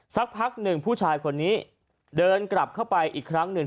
สักพักหนึ่งผู้ชายคนนี้เดินกลับเข้าไปอีกครั้งหนึ่ง